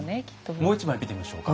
もう一枚見てみましょうか。